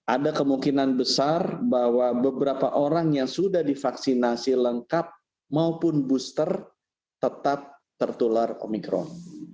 ada kemungkinan besar bahwa beberapa orang yang sudah divaksinasi lengkap maupun booster tetap tertular omikron